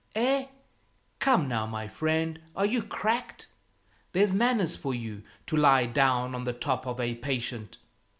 Eh, come now, my friend, are you cracked? There's manners for you, to lie down on the top of a patient!"